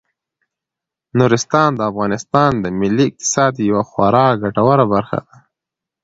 نورستان د افغانستان د ملي اقتصاد یوه خورا ګټوره برخه ده.